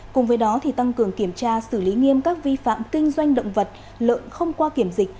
cùng với đó tăng cường kiểm tra xử lý nghiêm các vi phạm kinh doanh động vật lợn không qua kiểm dịch